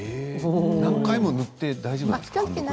何回も塗って大丈夫なんですか？